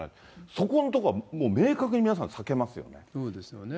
そこのところは、もう明確に皆さそうですよね。